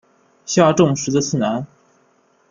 下重实的次男。